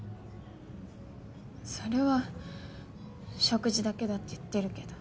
それは食事だけだって言ってるけど。